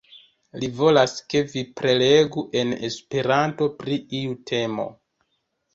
Li volas, ke vi prelegu en Esperanto pri iu temo.